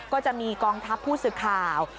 ก็จะมีกองทัพผู้สื่อข่าว